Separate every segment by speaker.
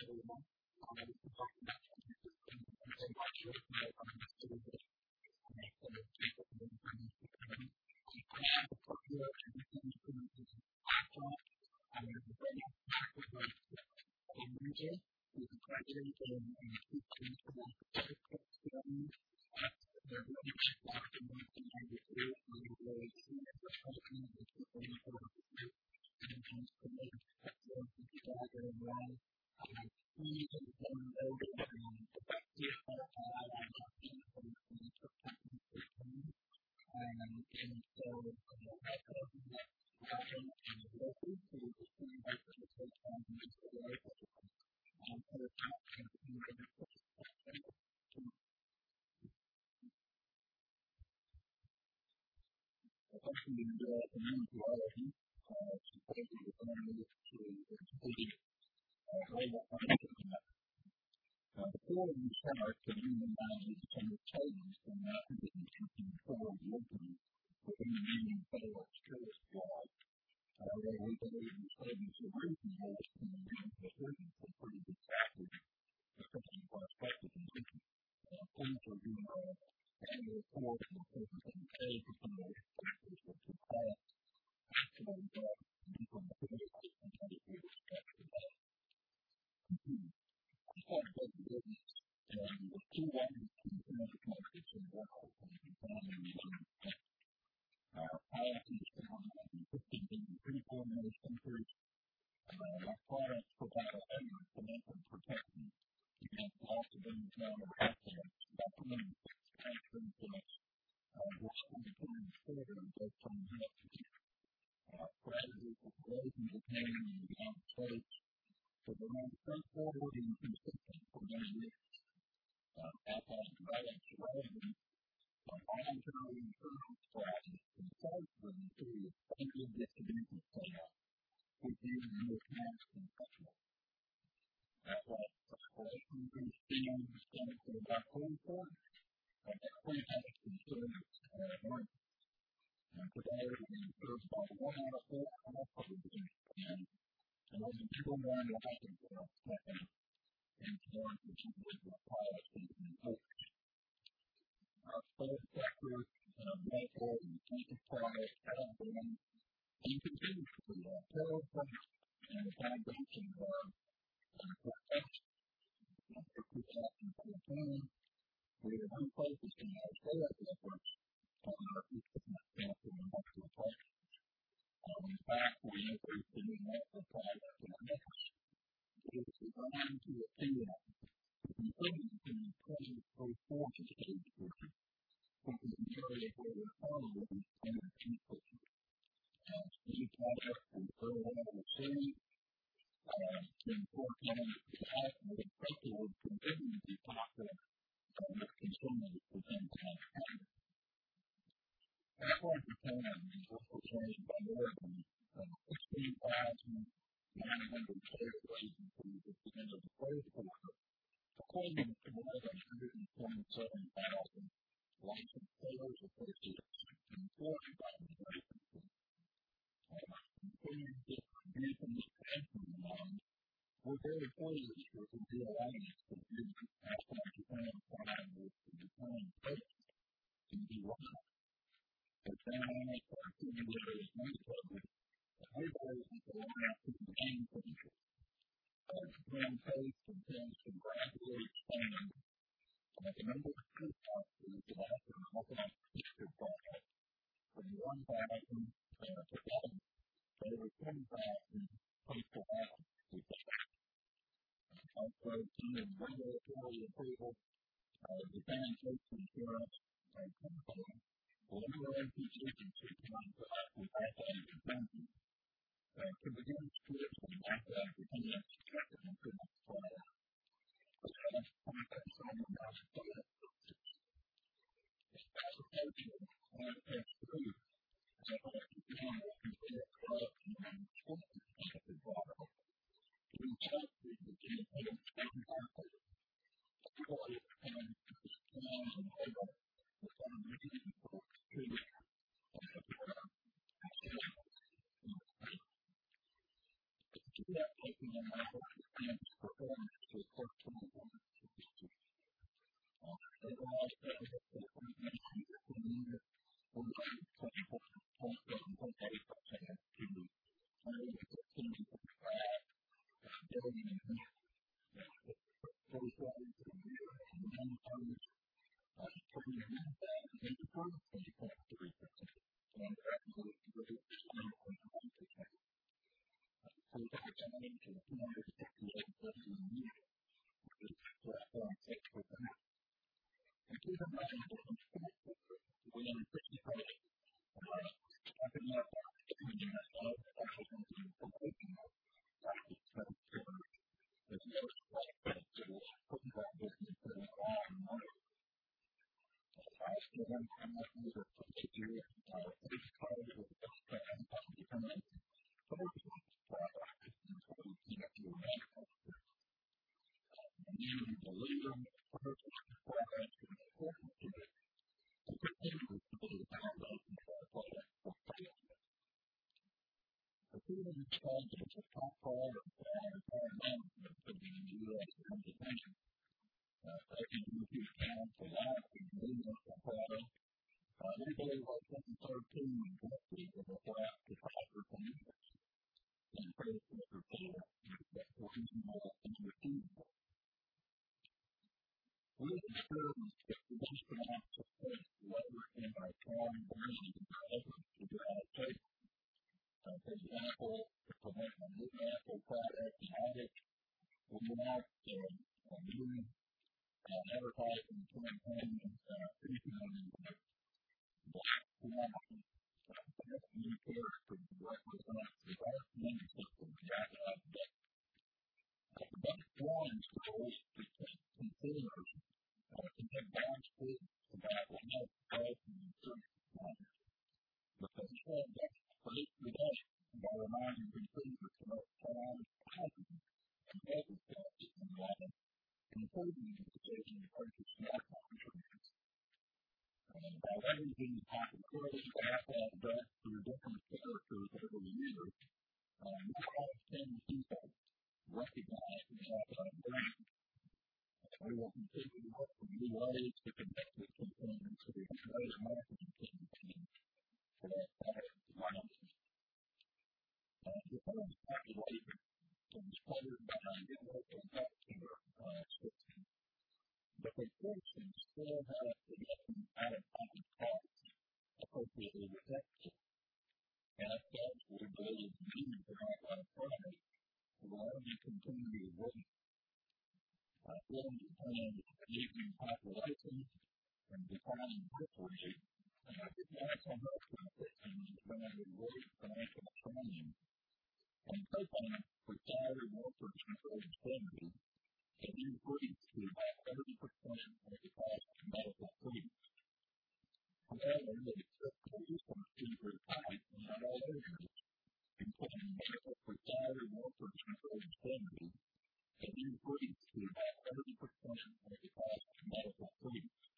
Speaker 1: Hi, good afternoon everyone. We'll kick off the next presentation. My name is Armando Lopez. I'm with Citi Global Financial Conference 2013. Thanks everyone for coming. I have the pleasure of introducing Aflac. From Aflac we have Kriss Cloninger who's
Speaker 2: number 1 life insurance company in terms of individual policies in force. Our third sector, medical and cancer products, have been and continue to be our pillar products and the foundation of our portfolio. For 2013, we are refocusing our sales efforts on our traditional cancer and medical products.
Speaker 3: In fact, we introduced a new medical product in August
Speaker 2: JPY billion.
Speaker 3: cost of medical treatments.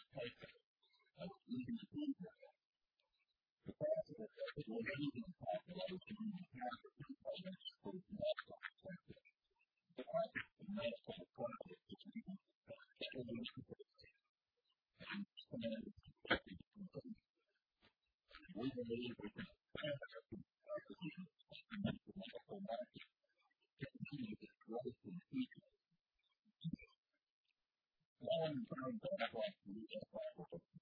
Speaker 3: However, as fiscal resources are tight in all areas, including medical, nursing care, and pension benefits, it's clear that the difficult fiscal situation will persist in Japan. As you can see, the growth of medical expenses is significantly outpacing GDP growth. Because of the rapidly aging population and higher copayments for medical expenses, the market for medical products has been steadily increasing, and this trend is expected to continue. We believe we can expand our leading position as the medical market continues its growth in the future.
Speaker 2: Now let me turn to Aflac's U.S. operations.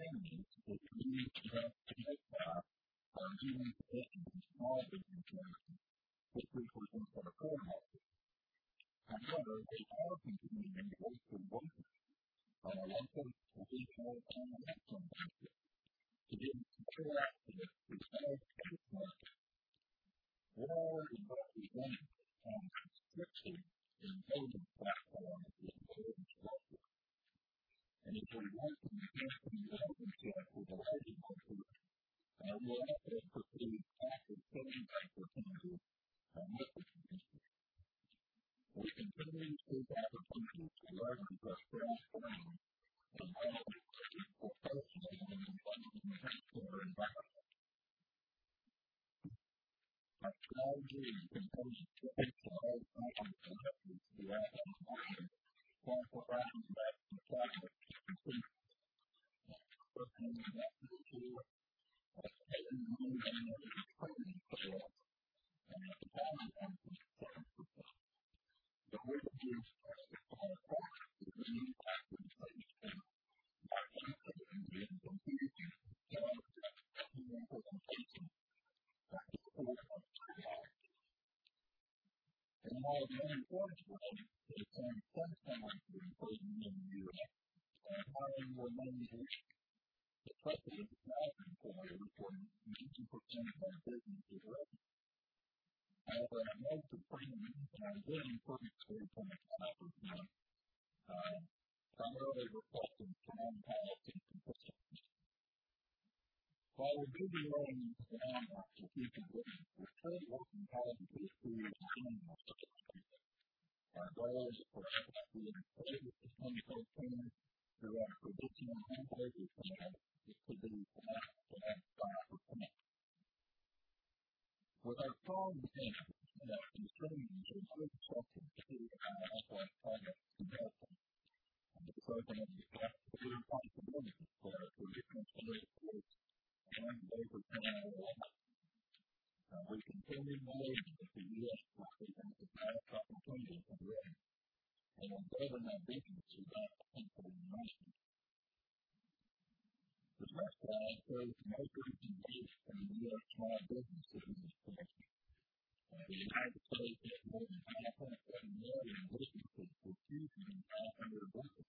Speaker 3: where consumers want to purchase Aflac products. We're currently focused on our proprietary Aflac Exchange as a means to help solidify our leading position in the small business market, which represents our core market. We are continuing to work with brokers on a local, regional, and national basis to give us better access to the large case market. We're already represented on about 60 enrollment platforms with various brokers. As we work at enhancing relationship with While we're busy laying the groundwork for future growth, we're still working hard to achieve our annual sales target. Our goal is for Aflac US sales for 2013 through our traditional and broker channels to be flat to up 5%. With our strong brand, consumers are more receptive to hear how Aflac products can help them.
Speaker 2: This opens up greater possibilities for our traditional sales force and the broker channel alike.
Speaker 3: We continue to believe that the U.S. represents a vast opportunity for growth, and we're building our business with that potential in mind. This next slide shows the most recent data from the U.S.
Speaker 2: Small Business Administration. The U.S. has more than 5.7 million businesses with fewer than 500 workers,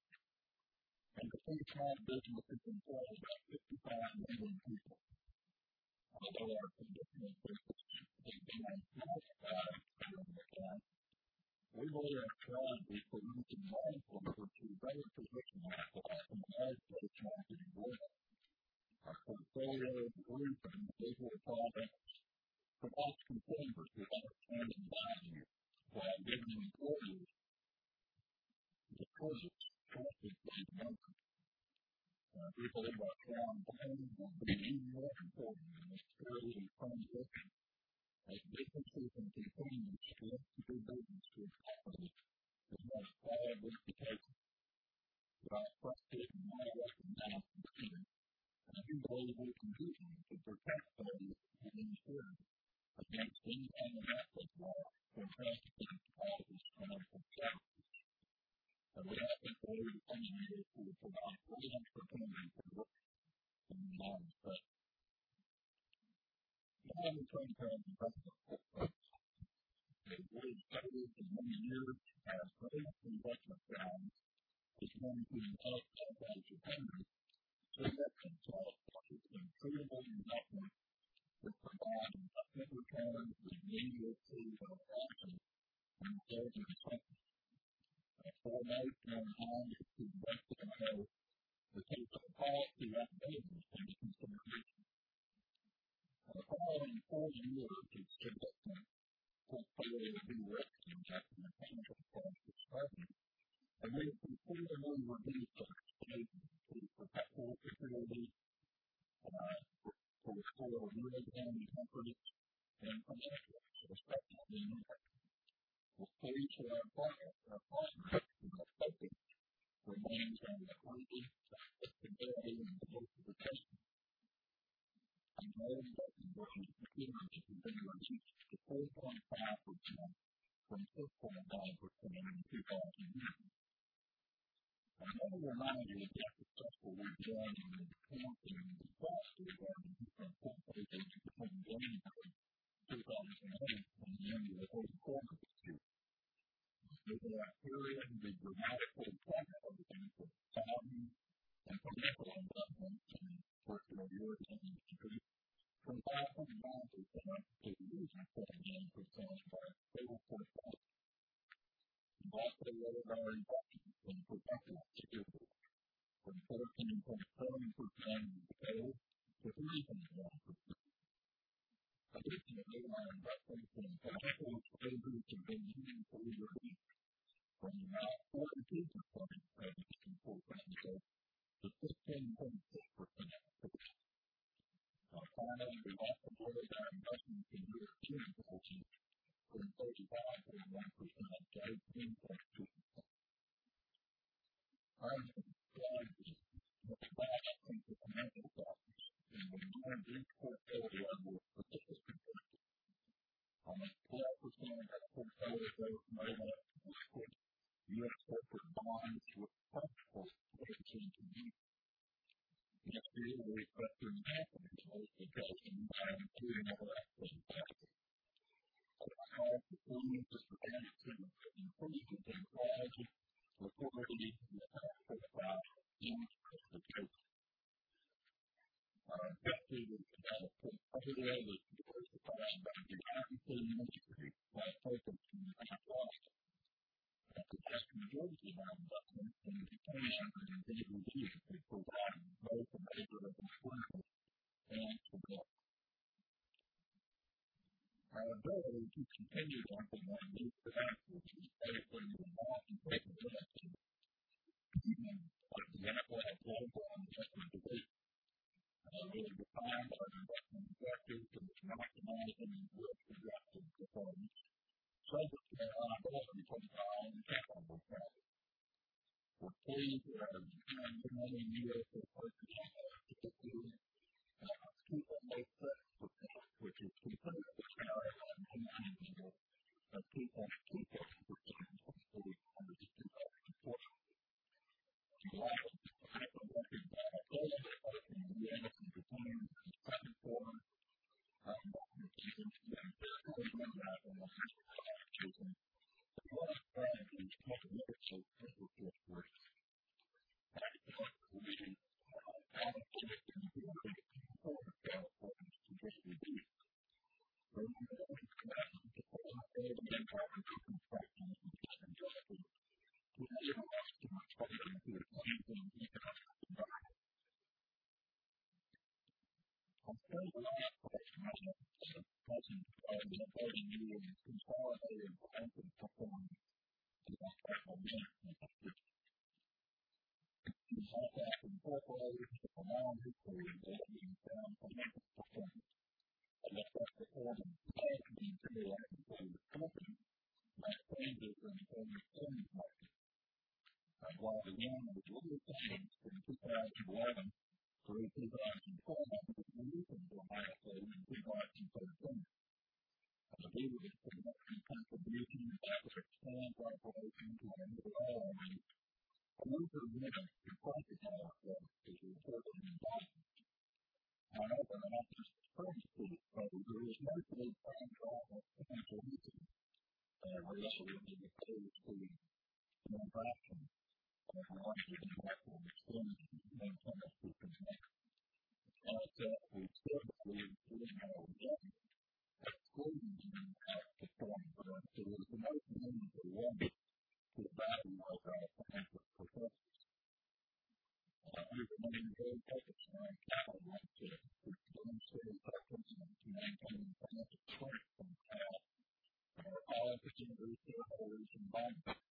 Speaker 3: nine months of this year was 2.87%, which is considerably higher than our new money yield of 2.27% in the first three quarters of 2012. In light of the financial market volatility, both in the U.S. and Japan during the second quarter, our investment team has been carefully analyzing our asset allocation as well as strategies to help mitigate interest rate risk.
Speaker 2: As such, we allocated the majority of third quarter cash flows to JGBs.
Speaker 3: We remain committed to further building out our investment functions and capabilities to enable us to respond to a changing economic environment. I'll spend the last part of my discussion today updating you on the consolidated financial performance and our capital management activities. Aflac Incorporated has a long history of delivering strong financial performance. Although that performance has been periodically distorted by changes in the foreign exchange market.
Speaker 2: While the yen was little changed from 2011 through 2012, it has weakened dramatically in 2013.
Speaker 3: Due to the significant contribution of Aflac Japan's operation to our overall earnings, a weaker yen suppresses our results as reported in dollars.
Speaker 2: Aflac's currency exposure is mostly translational related as opposed to transaction related in actual exchanging one currency for the other.
Speaker 3: We still believe that viewing our results excluding the impact of foreign currency is the most meaningful way to evaluate our financial performance. We remain very focused on our capital ratios, which demonstrates our commitment to maintaining financial strength on behalf of our policyholders, shareholders, and bondholders. Through strong surplus growth, an improved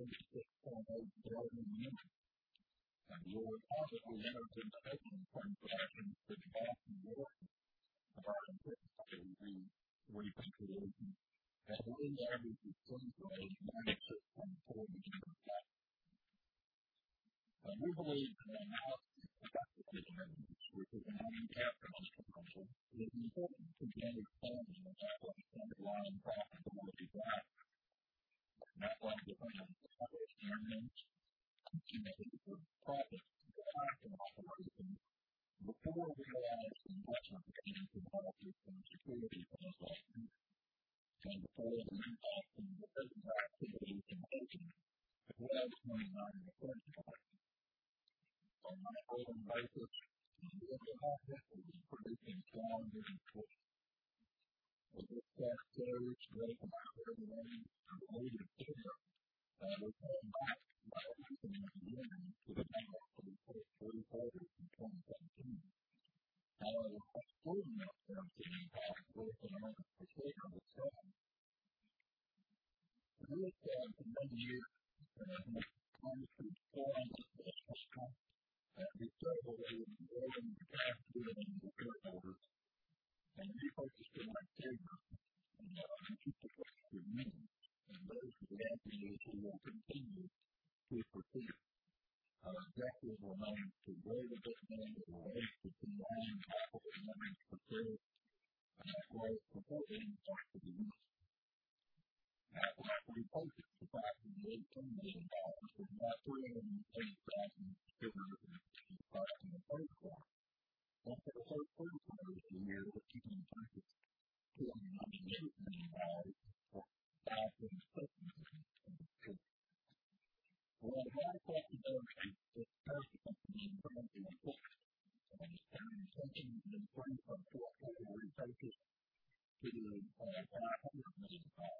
Speaker 2: year.
Speaker 3: The increase in the SMR was primarily due to the execution of a reinsurance agreement in Japan.
Speaker 2: As we think about capital levels and how they tie to profit repatriation, our first consideration is protection of our policyholders as measured by the SMR.
Speaker 3: Next, we give consideration to the needs
Speaker 2: it comes to deploying excess capital, we still believe that growing the cash dividend to shareholders and repurchasing our shares are the most attractive means, those are the avenues we will continue to pursue.
Speaker 3: Our objective remains to grow the dividend at a rate that's in line with operating earnings per share.
Speaker 2: growth before the impact of the yen. Aflac repurchased approximately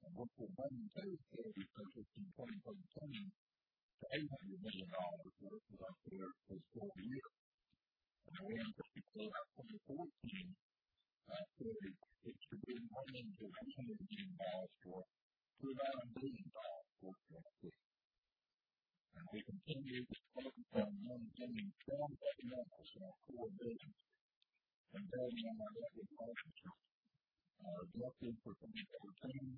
Speaker 2: $18 million or about 308,000 shares of its common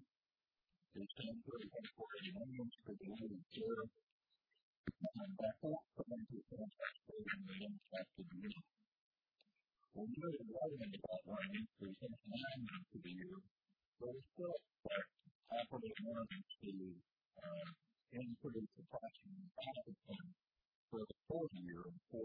Speaker 2: stock in the third quarter.
Speaker 3: For the first three quarters of the year, the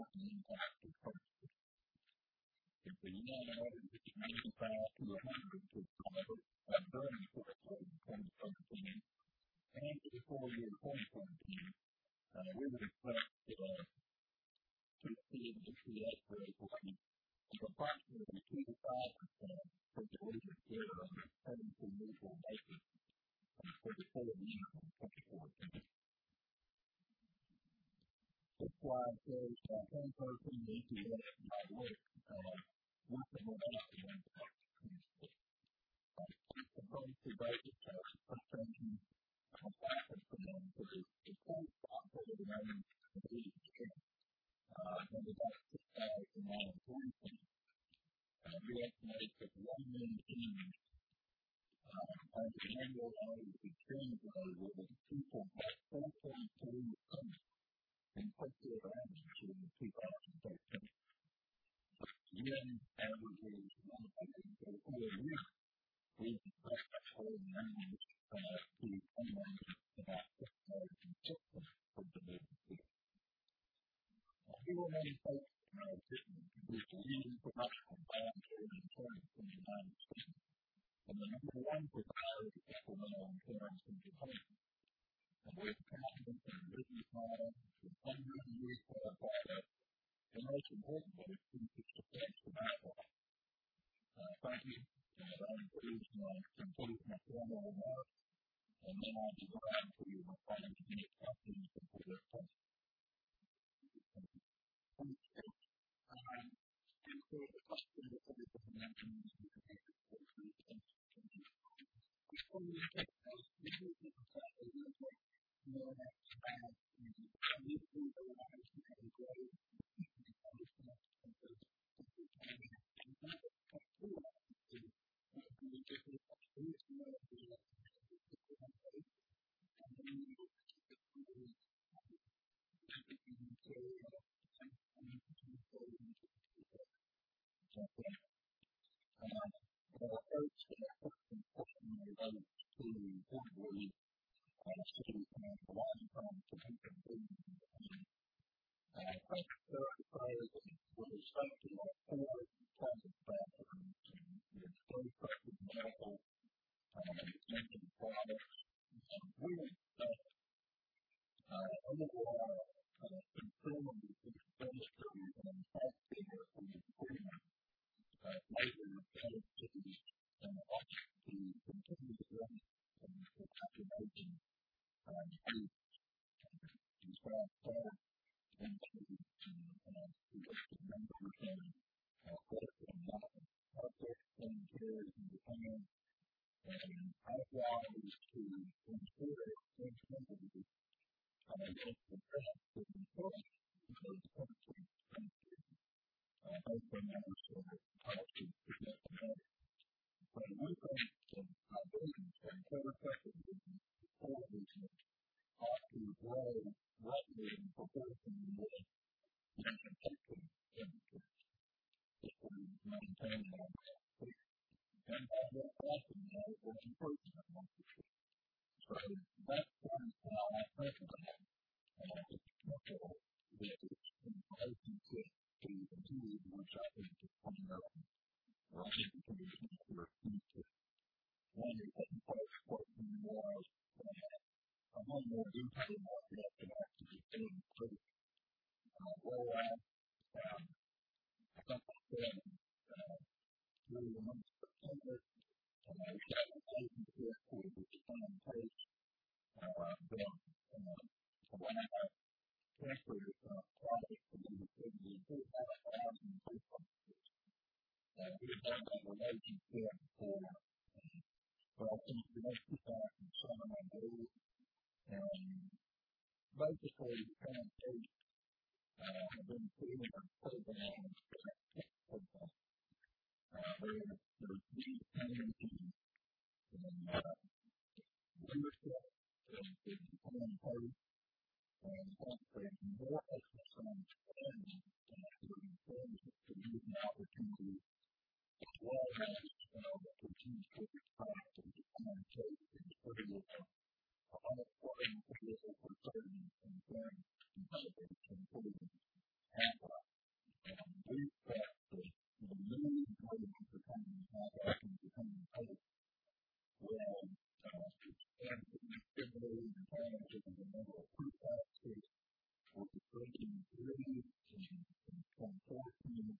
Speaker 3: company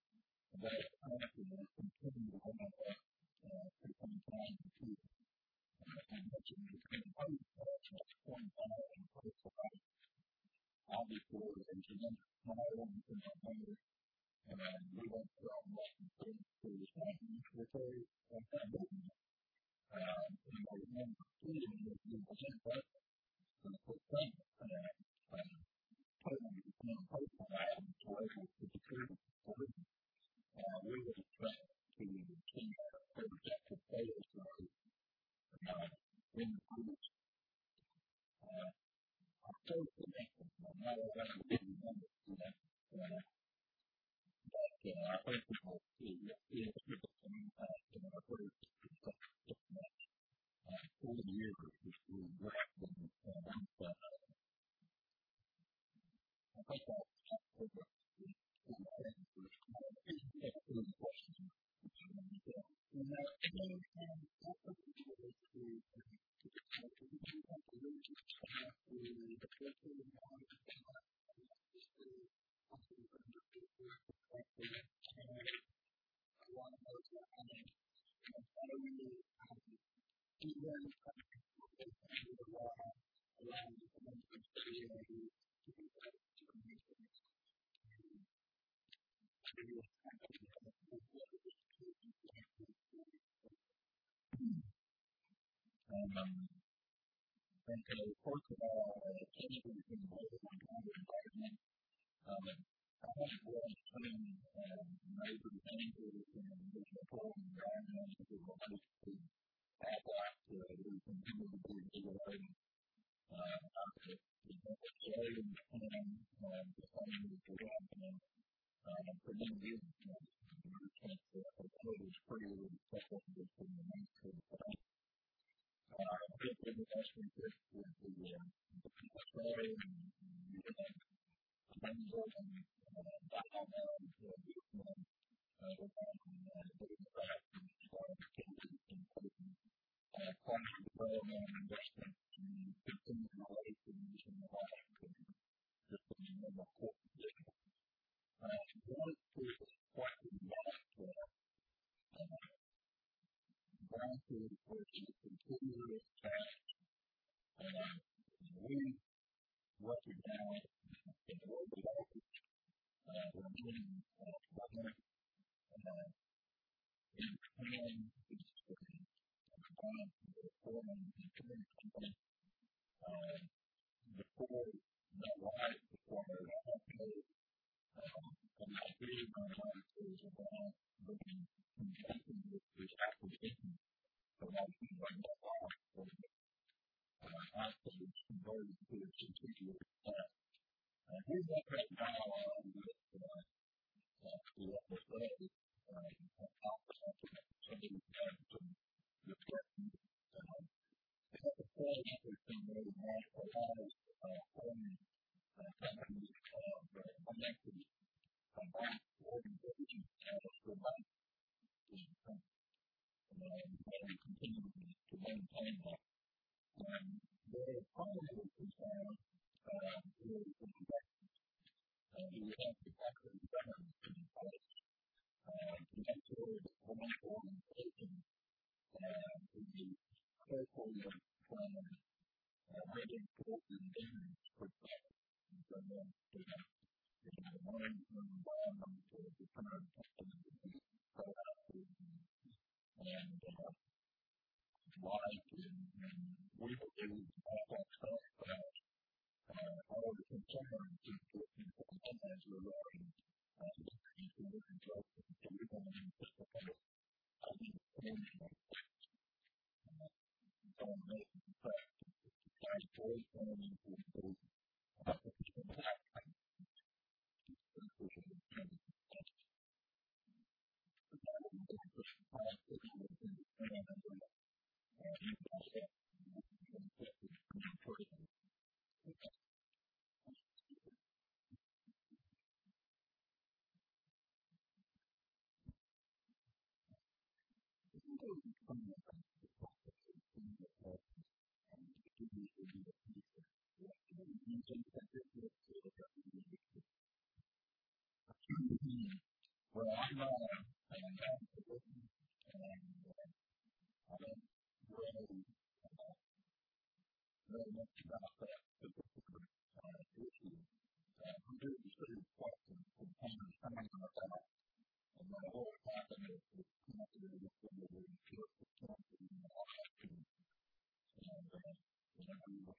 Speaker 3: purchased million or 5.6 million of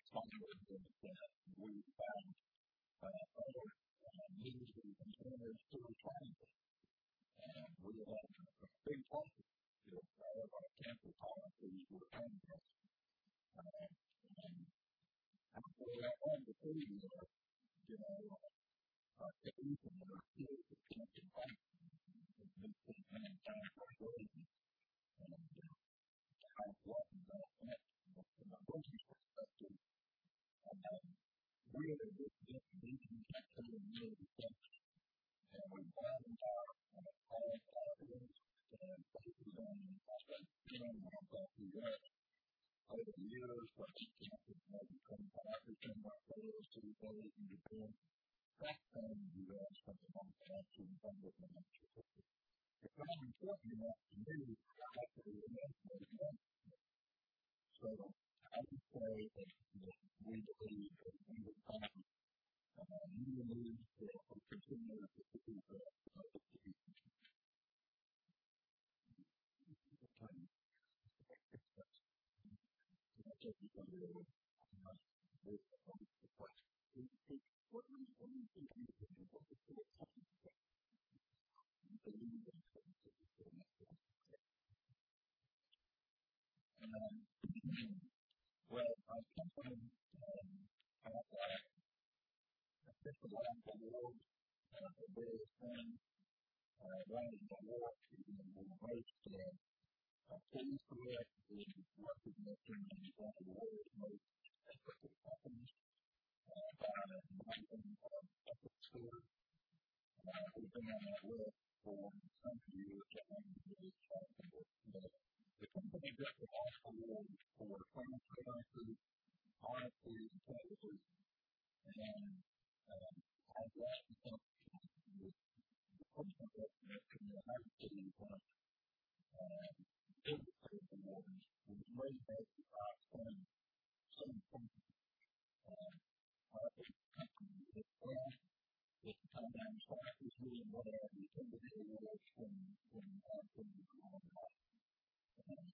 Speaker 3: its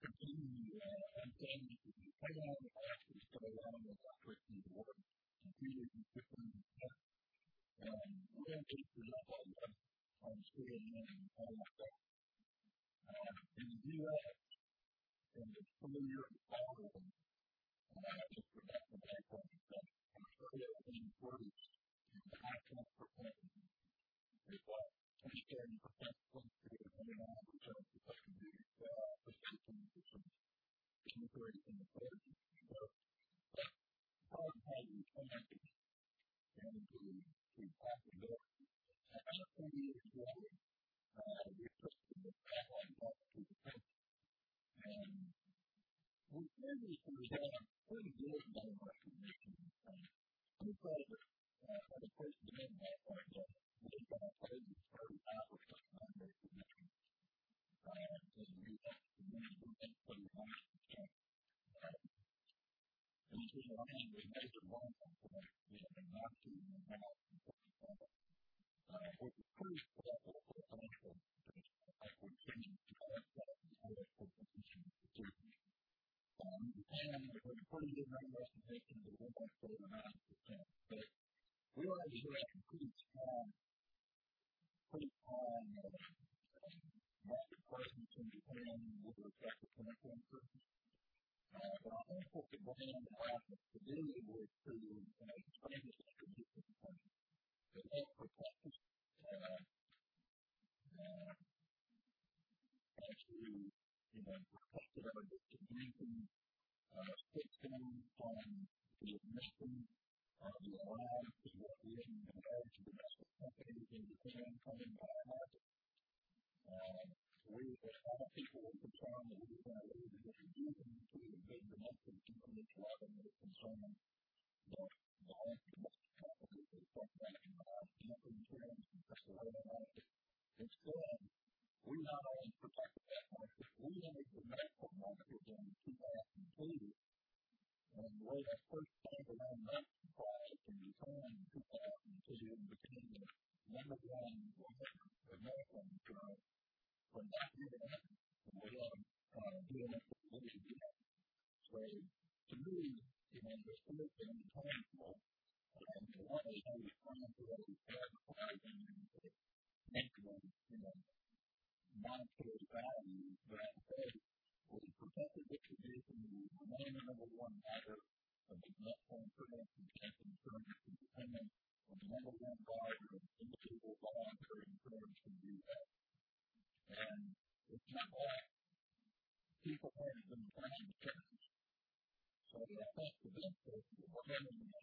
Speaker 3: shares.
Speaker 2: market in 2002 and wrote our first standalone medical product in Japan in 2002 and became the number one writer of medical insurance from that year on. We haven't given up that lead yet. To me, you know, it's sort of an intangible in a way how you translate advertising into tangible, you know, monetary values. I'd say we've protected distribution. We remain the number one writer of both medical insurance and cancer insurance in Japan.
Speaker 3: We're the number one writer of individual voluntary insurance in the U.S.
Speaker 2: It's not like people haven't been trying to challenge us. I think the benefit of the branding and the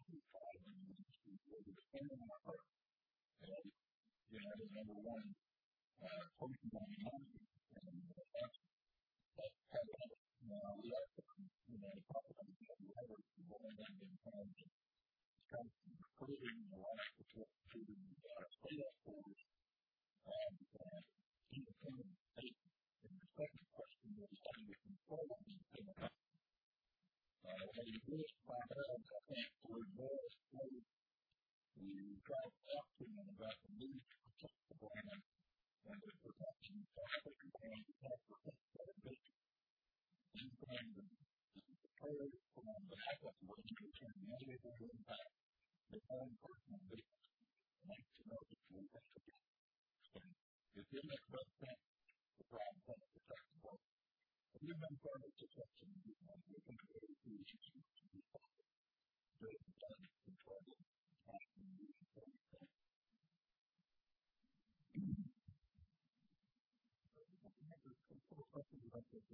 Speaker 2: advertising is that we're defending our turf as, you know, the number one person on the mountain, and that's part of it. Now, we also, you know, talk about how we leverage the brand in terms of the constant recruiting and the like that you have to do when you've got a sales force of independent agents.
Speaker 3: Your second question was, how do you control independent agents? You do it primarily, I think, through moral suasion.
Speaker 2: You try to talk to them about the need to protect the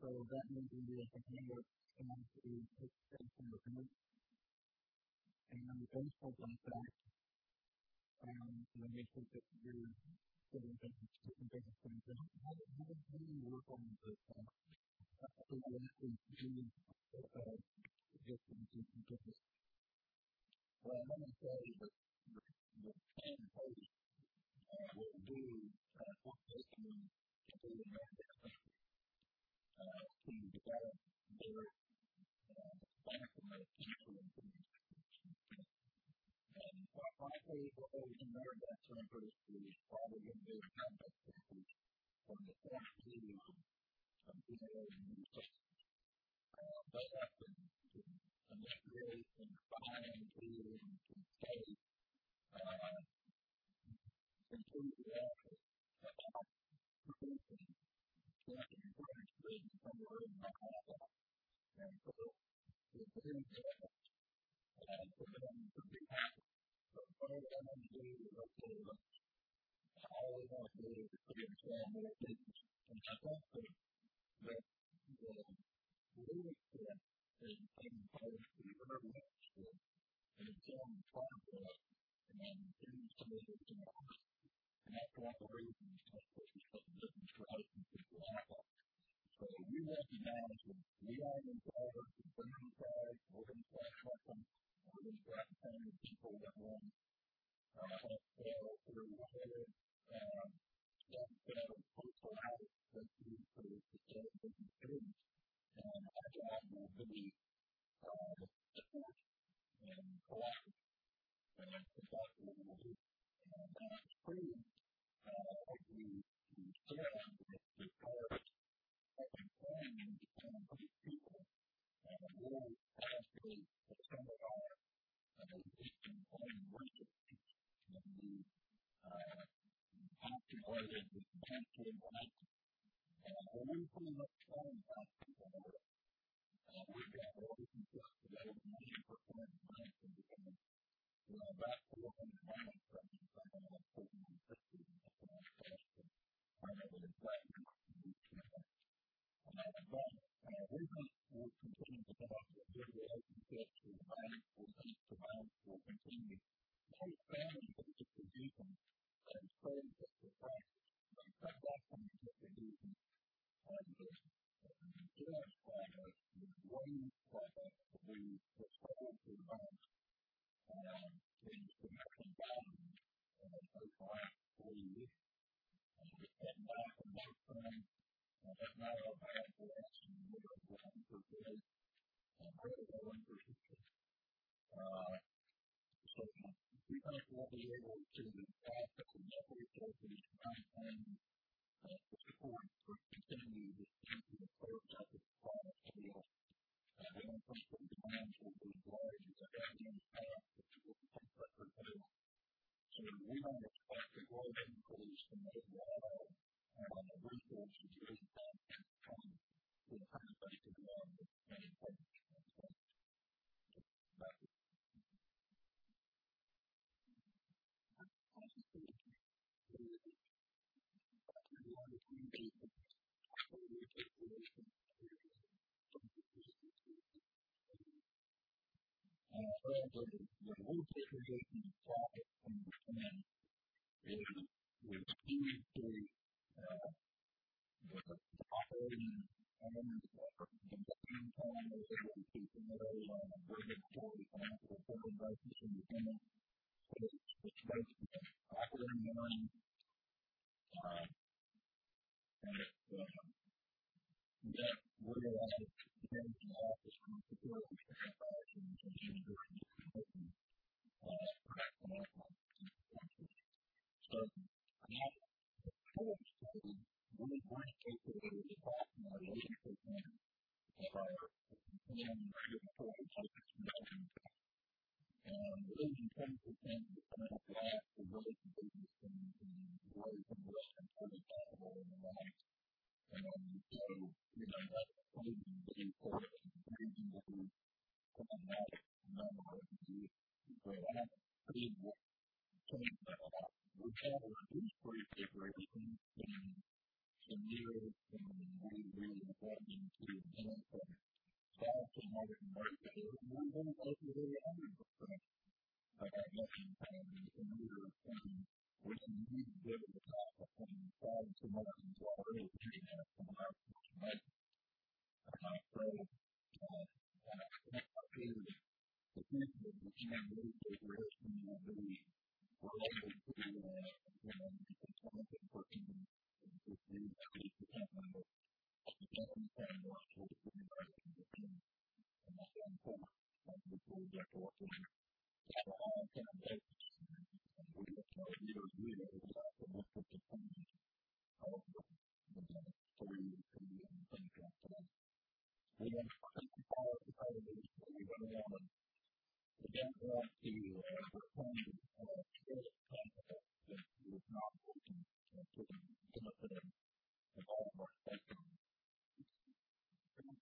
Speaker 2: brand and that protecting the Aflac brand will help protect their business.
Speaker 3: Anything that deters from the Aflac brand is going to negatively impact their own personal business.
Speaker 2: That's the message we try to give them. It's in their best interest to try to help protect the brand. We've been fairly successful in doing that. We've had very few incidents that we've had to do any damage control over either in the U.S. or Japan.
Speaker 4: I just had a couple questions about the Japan Post arrangement. From my understanding, Japan Post gets to decide where they roll out the insurance. They'll probably want to do it in the big cities
Speaker 2: some of our existing training resources. You postulated that the banks wouldn't like it. Well, we pretty much trained the bank people already.
Speaker 3: We've got relationships with over 90% of the banks in Japan, you know, about 400 banks out of, I don't know, 460 or something like that.
Speaker 2: I don't remember the exact numbers.
Speaker 3: I used to know them.
Speaker 2: We think we'll continue to have good relationships with the banks.
Speaker 3: We think the banks will continue. They're expanding their distribution of the third sector products.
Speaker 2: They've cut back on the distribution of the insurance products, the WAYS product that we have sold through banks in significant volumes over the last three years. They're cutting back on that some. That's not all bad for us in an era of low interest rates, really low interest rates. We think we'll be able to allocate enough resources to bank training to support their continued expansion of third sector product sales.
Speaker 3: We don't think their demands will be as large as they have been in the past to support first sector sales.
Speaker 2: We don't expect a great increase in the overall resources we have to allocate to training to accommodate the do all of them in Japan Post-sales. That's it.
Speaker 1: How do you think about on a longer-term basis, capital repatriation from Japan increasing or growing?
Speaker 2: Well, the repatriation of profits from Japan is keyed to the operating earnings are the net income we're able to generate on a regulatory financial reporting basis in Japan. It's both the operating earnings and its net realized gains and losses on securities transactions and any derivative and hedging type financial consequences. Historically, we have repatriated approximately 80% of our Japan regulatory basis net income. Leaving 20% in Japan allows for growth of business and growth in regulatory capital and the like. You know, that's proven to be sort of a reasonably pragmatic number over the years. I don't see that we'll change that a lot. We have reduced repatriation in some years when we were either wanting to enhance our solvency margin ratio, and we've repatriated 100% of our net income in some years when we didn't need to build the capital, when the solvency margin was already high enough in our.
Speaker 3: estimation.
Speaker 2: I think I see the future of Japan repatriation will be related to, you know, a substantial percentage, just use the 80% number, of the net income we're able to generate in Japan going forward. Obviously, you have to look at it kind of a long-term basis.
Speaker 3: We look at it year to year, but we also look at the trend over, you know, a three-year period and things like that.
Speaker 2: We want to protect the policyholders, but we don't want to retain sterile capital that's not working to the benefit of all of our stakeholders.
Speaker 3: Okay, great.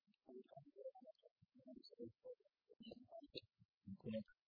Speaker 1: Well, with that, we're almost out of time. Kriss, Robin, thank you.
Speaker 3: Okay.